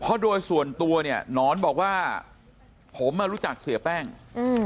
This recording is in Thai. เพราะโดยส่วนตัวเนี่ยหนอนบอกว่าผมอ่ะรู้จักเสียแป้งอืม